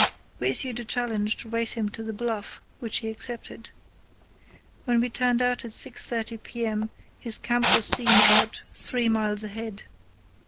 We issued a challenge to race him to the Bluff, which he accepted. When we turned out at 6.30 p.m. his camp was seen about three miles ahead.